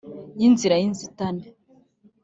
Y’inzira y’inzitane